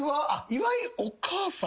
岩井お母さん。